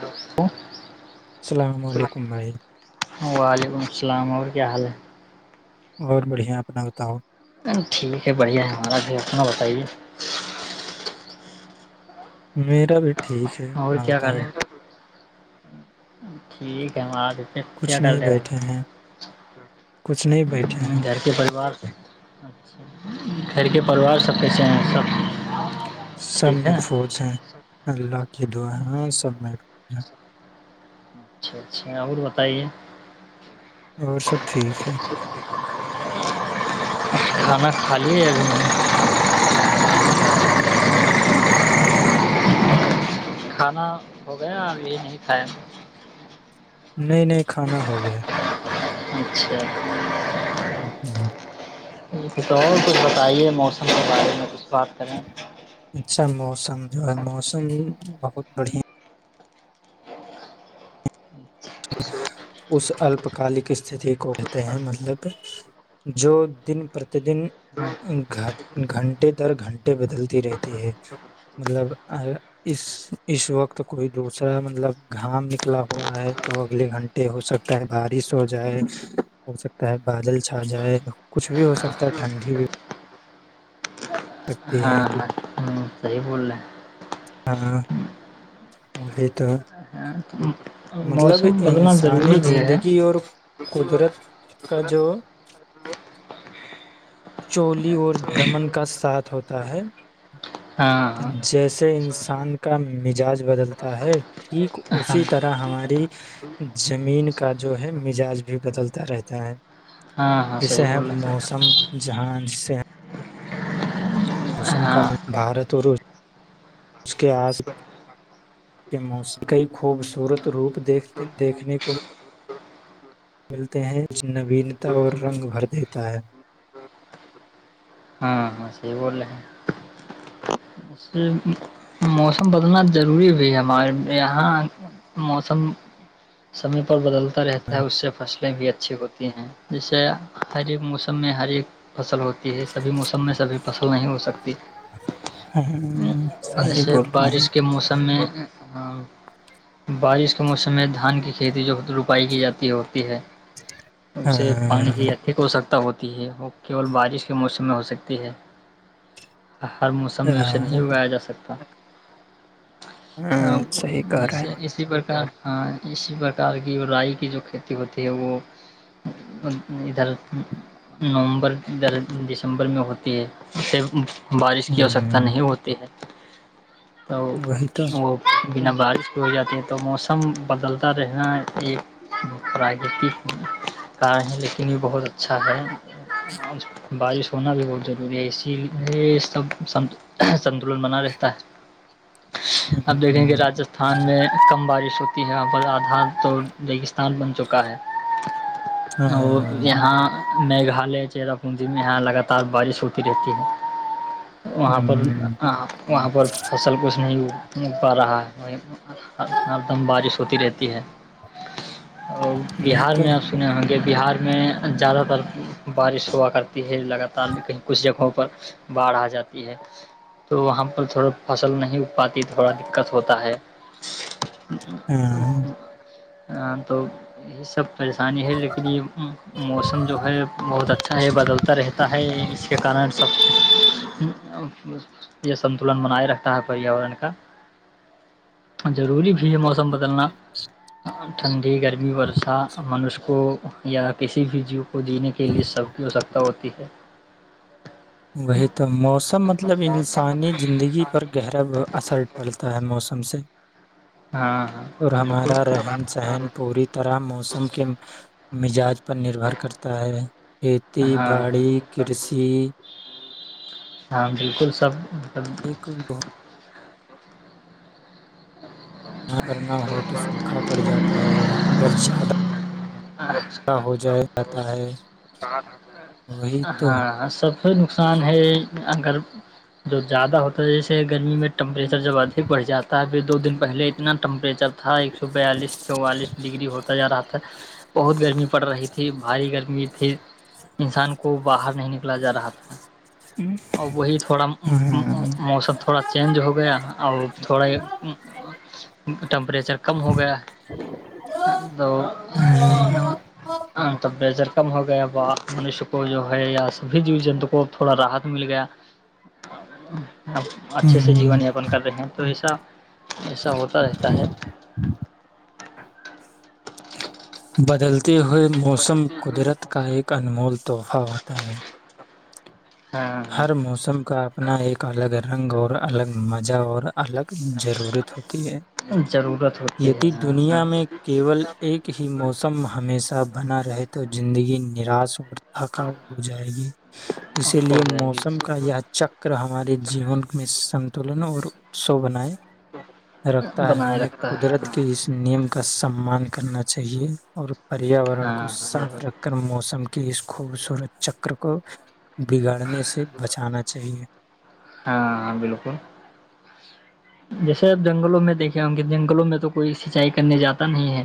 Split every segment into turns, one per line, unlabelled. ڈ تو
السلام علیکم بھائی
وعلیکم السلام کیا حال ہے
اور بڑھیا اپنا ہوتا ہ
ٹھیک ہے بڑھیا ہے ہمارا بھی اپنا بتائیے
میرا بیٹا ٹھیک ہے
اور
اپنا
کیا کر
بتاؤ
رہے ہیں ٹھیک ہے ہم آ ج پ کیا
کچھ
کر
نہیں
رہے گ
بیٹھے ہیں کچھ نہیں بیٹھے ہیں
گھر کے پریوار سے اچا گھر کے پریوار سب کے چ سب
سب
ٹھیک
میں
ہے
فوج ہیں اللہ کی دعا ہے سب میں ر
اچھا اچھا اور بتائیے
اور سب ٹھیک ہے
خالی ابھی کھانا ہو گیا اب یہ نہیں کھایا
نئے نئے کھانا ہو گئے
اچھا
[unintelligible]
کچھ اور کچھ بتائیے موسم کے بارے میں بات کریں [unintelligible]
اچھا موسم جو ہے موسم بہت بڑھیا
[inaudible] [inaudible]
کالی کش اس کو کہتے ہیں مطلب جو دن پرتیدن گ گھنٹے در گھنٹے بدلتی رہتی ہے مطلب اس اس وقت کوئی دوسرا مطلب گھام نکلا ہوا ہے تو اگلے گھنٹے ہو سکتا ہے بارش ہو جائے ہو سکتا ہے بادل چھا جائے کچھ بھی ہو سکتا ہے ٹھنڈی بھی کرتے
ہاں
ہیں
ہاں صحیح بول رہے ہیں
ہاں یہ تو
ہاں
مطلب
موسم بدلنا
انسانی
ضروری بھی ہے
زندگی اور قدرت کا جو چولی اور دمن کا ساتھ ہوتا ہے
ہاں ہاں
جیسے انس شان کا مزاج بدلتا ہے ٹھیک
ہاں
اسی طرح ہماری زمین کا جو ہے مزاج بھی بدلتا رہتا ہے
ہاں ہاں صحیح بول رہے سر
جہان سے
ہیں
موسم کا
ہاں
بھارت اس کے آس کے موسم کئی خوبصورت روپ دیکھنے کو ملتے ہیں نوینتا اور رنگ بھر دیتا ہے
ہاں ہاں صحیح بول رہے ہیں اس موسم بدلنا ضروری بھی ہے ہمارے یہاں موسم سع پر بدل رہتا ہے اس سے فرسٹ فلیں بھی اچھی ہوتی ہیں جیسے ہر ایک موسم میں ہر ایک فصل ہوتی ہے سبھی موسم میں سبھی فصل نہیں ہو سکتی
ہاں صحیح
جیسے
بول رہے ہیں
بارش کے موسم میں بارش کے موسم میں دھان کی کھیتی جو خ روپائی کی جاتی ہے ہو ہے اسے پانی
ہاں
بھی اٹھیک ہو سکتا ہوتی ہے وہ کیول بارش کے موسم میں ہو سکتی ہے ہر موسم میں اسے نہیں
ہاں
اگایا جا سکتا
ہاں، صحیح کہہ
[inaudible]
رہے
اس
ہیں
اسی پرک ہاں اسی پرکار کی رائی کی جو کھیتی ہوتی ہے وہ ادھر نومبر ادھر دسمبر میں ہوتی ہے اسے بارش کی آوشکتا
ہوں
نہیں ہوتی ہے تو
وہی تو
وہ بنا بارش بھی ہو جاتی ہے تو موسم بدلتا رہنا ایک پراکرتک کارن ہے لیکن یہ بہت اچھا ہے بارش ہونا بھی بہت ضروری ہے اسی لیے سب دن بنا رہتا ہے اب دیکھیں
ہوں،
گے راستھان میں کم بارش ہوتی ہیں ب آ تو ریگستان بن چکا ہے وہ
ہاں
یہاں [unintelligible] میگھالیہ چیر پندی میں یہاں لگاتار بارش ہوتی رہتی ہے وہاں پر
ہوں،
[unintelligible] وہاں پر فصل کچھ نہیں ا پا رہا ہے ہر دم بارش ہوتی رہتی ہے اور
وہی
بہار
تو
میں آپ سنے ہوں گ بہار میں زیادہ تر بارش ہوا کرتی ہے لگاتار کہیں کچھ جگہوں پر باڑھ آ جاتی ہے تو وہاں پر تھوڑا فصل نہیں اگ پاتی تھوڑا دقت ہوتا ہے
ہاں
اچ [unintelligible] ہ تو یہی سب پریشانی ہے لیکن یہ موسم جو ہے بہت اچھا ہے بدلتا رہتا ہے اس کے کارن سب ا [inaudible] یہ سنتلن بنائے رکھتا ہے پریاورن کا ضروری بھی ہے موسم بدلنا ٹھن گرمی ورسہ مش ہو یا کسی بھی جوی کو جینے کے لیے سب کی آوشکتا ہوتی ہے اھ [inaudible]
وہی تو موسم مطلب انسانی زندگی
ہاں
پر گہرا اثر پڑتا ہے موسم سے ج
ہاں
[inaudible] اور
بالکل
ہمارا رہن سہن پوری طرح موسم کے مزاج پر نربھر کرتا ہے کھیتی
ہاں
باڑی
ہاں
کرشی
ہاں بالکل سب
ایک بہت [unintelligible]
اچا [unintelligible]
یہاں پر نہ ہو تو سوکھا پڑ جاتا ہے اگر زیادہ ہو جا جاتا ہے وہی تو
تھ نقصان ہے اگر جو زیادہ ہوتا ہے جیسے گرمی میں ٹمپریچر جبدھک بڑھ جاتا ہے پھر دو دن پہلے اتنا ٹمپریچر تھا ایک سو بیالیس چوالیس ڈگری ہوتا جا رہا تھا [inaudible] بہت گرمی پڑ رہی تھی بھاری گرمی تھی انسان کو باہر نہیں نکلا جا رہا تھا اور وہی تھوڑا موسم تھوڑا چینج ہو گیا اور تھوڑا ٹمپریچر کم ہو گیا تو ہاں توب بزر کم ہو گیا منش کو جو ہے یا سب جی جنتو کو تھوڑا راحت مل گیا اچھے سے جیون یاپن کر رہے ہیں تو ایسا ایسا ہوتا رہتا ہے [inaudible]
بدل تی ہوئے موسم قدرت کا ایک کا انمول تحفہ ہوتا ہے
ہاں ہاں
ہر موسم کا اپنا ایک الگ رنگ اور الگ مزہ اور الگ ضرورت ہوتی ہے
ضرورت ہوتی ہے
یدی
ہاں ہاں
دنیا میں کیول ایک ہی موسم ہمیشہ بنا رہے تو زندگی نراش ہو تھکاؤ ہو جائے گی اسی
ہو
لیے
جائے
موسم کا یہ چکر ہمارے جیون میں سنتلن اور اسو بنائے
گی
رکھتا ہے
بنائے
ہمیں
رکھتا ہے
قدرت
ہاں
کے اس نیم کا سمان کرنا چاہیے اور پریاورن کو
ہاں
صاف
ضرور
رکھ کر موسم کے اس خوبصورت چکر کو پڑھنے سے بچانا چاہیے
ہاں ہاں بالکل جیسے اپ جنگلوں میں دیکھے ہوں گے جنگلوں میں تو کوئی سینچائی کرنے جاتا نہیں ہے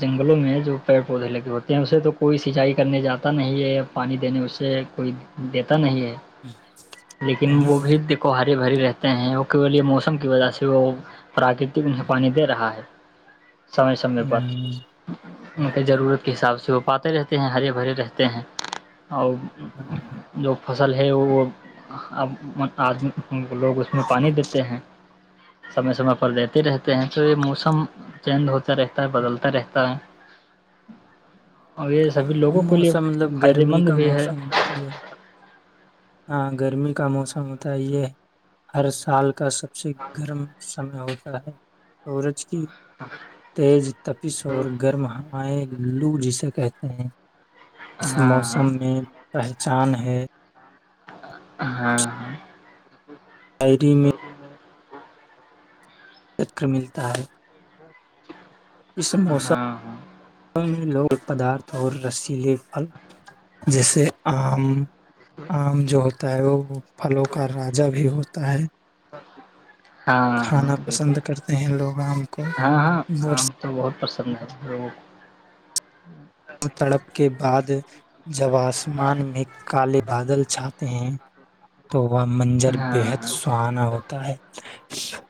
جنگلوں میں جو پیڑ پودے لگے ہوتے ہیں اسے تو کوئی سینچائی کرنے جاتا نہیں ہے پانی دینے اسے کوئی دیتا نہیں ہے لیکن وہ
ہم،
بھی دیکھو ہرے بھری رہ ہیں وہول یہ موسم کی وجہ سے وہ پراکرتک ان سے پانی دے رہا ہے سمئے سمے پر
ہم،
ان
وہی تو
ضرورت کے حساب سے وہ پات رہتے ہیں ہرے بھرے رہتے ہیں [inaudible] فصل ہے وہ آدمی لوگ پانی دیتے ہیں سمے سمے پر دیتے رہتے ہیں تو یہ موسم چینج ہو اچھا رہتا ہے بدلتا رہتا ہے اور یہ سبھی لوگوں کے لیے
موسم مطلب
فائدے
گرمی
مند
کا
بھی ہے
موسم جو ہاں گرمی کا موسم ہوتا ہے یہ ہر سال کا سب سے گرم سمے ہوتا ہے سورج تیز تپس اور گرم ہے ہ لو جسے کہتے ہیں اس موسم
ہاں
میں پہچان ہے کہ
ہاں ہاں
شاعری میں
س
چکر ملتا ہے اس موسم
ہاں ہاں
میں لوگ پدارتھ ہو رہے اس سی لیے پھل جیسے آم آم جو ہوتا ہے وہ پھلوں کا راجا بھی ہوتا ہے
ہاں ہاں
کھانا پسند
بالکل
کرتے ہیں لوگ آم کو
پرسنس کرو
تڑپ کے بعد ج جب آسمان میں کالے بادل چھاتے ہیں تو وہ منجر
ہاں
بےحد
ہاں
سہانا ہوتا ہے شھ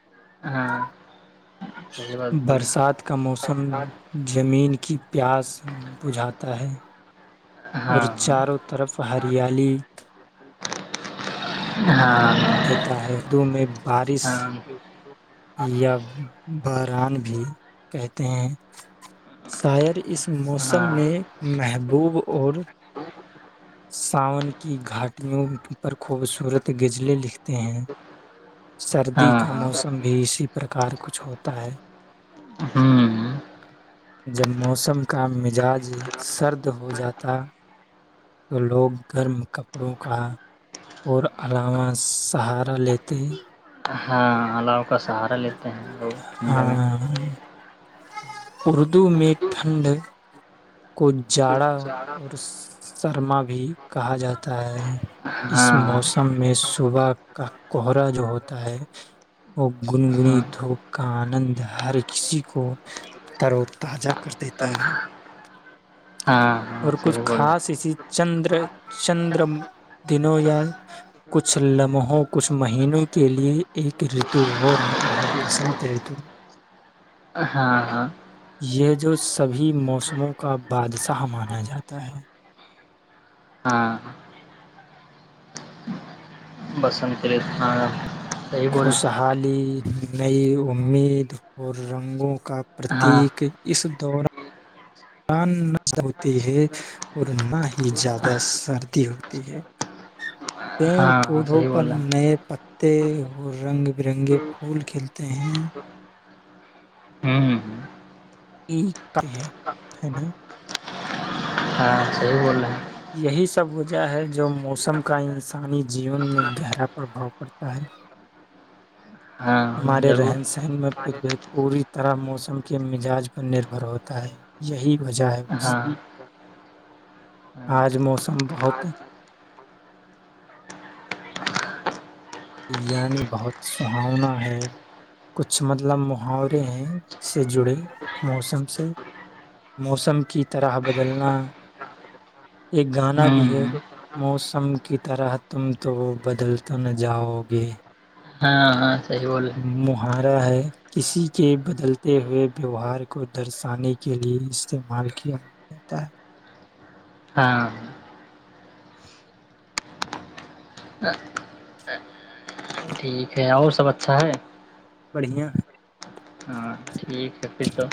ہاں صحیح بات بول رہے
برسات کا موسم زمین کی پیاس بجھاتا ہے اور
ہاں ہاں
چاروں طرف ہریالی
ہاں
دیتا ہے اردو میں [unintelligible]
ہاں [unintelligible]
یا [unintelligible] باران بھی کہتے ہیں شاعر اس
ہاں
موسم میں محبوب اور ساون کی گھاٹیوں پر خوبصورت غزلے لکھ ہیں سردی
ہاں
کا
ہاں
موسم تم بھی اسی پرکار کچھ ہوتا ہے
ہوں
جب موسم کا مزاج سرد ہو جاتا تو لوگ گرم کپڑوں کا اور علاوہ سہارا لیتے۔
ہاں علاؤ کا سہارا لیتے ہیں لوگ ٹھنڈ میں۔
ہاں اردو میں ٹھنڈ۔ کو جاڑا اور سرما۔ بھی کہا جاتا ہے۔ اس
ہاں
موسم میں صبح۔ کا کوہرا جو ہوتا ہے وہ گنگنی
ہاں
دھوپ کا آنند ہر کسی کو تر و تازہ کر دیتا ہے۔
ہاں ہاں
اور کچھ
صحیح بولے ہے۔
خاص اسی چندر چندر دنوں یا کچھ لمحوں کچھ مہینوں کے لئے ایک رتو اور آتا ہے بسنت رتو۔
ہاں ہاں۔
یہ جو سبھی موسم۔ موں کا بادشاہ مانا جاتا ہے۔
ہاں۔ بسنتیری تھانا۔
خوشحالی۔ نئی امید اور رنگوں۔ کا
ہاں
پرتییک اس۔ تو اور۔ ان ہوتی ہے اور نہ ہی زیادہ سردی ہوتی ہے۔ پیڑ
ہاں ہاں
پودوں
صحیح
پر
بول رہے
نئے پتے۔ اور رنگ برنگے پھول کھلتے ہیں۔
ہمم ہمم۔
یہ کائی ہے ہے نا۔
ہاں صحیح بول رہے ہیں۔
یہی سب وجہ ہے جو موسم کا انسانی جیون میں گہرا پرباؤ پڑتا ہے۔
ہاں
ہمارے
ضرور
رہن سہن میں کچھ بھی پوری۔ طرح موسم کے مزاج پر نربھر ہوتا ہے یہی۔ وجا ہے۔
ہاں ہاں
آج موسم بہت۔ یعنی بہت سہاؤنا ہے کچھ مطلب محاورے ہیں سے جڑے موسم سے موسم کی طرح بدلنا ایک گانا بھی ہے
ہوں
موسم کی طرح تم تو بدل تو نہ۔ جاؤ گے۔
ہاں ہاں۔ صحیح بول رہے
محان۔ رہ ہے کسی کے بدلتے ہوئے ویوہار کو درشانے کے لئے استعمال کیا جاتا ہے۔
ہاں۔ ا [inaudible] ٹھیک ہے اور سب اچھا ہے۔
بڑھیا۔
ہاں ٹھیک ہے پھر تو۔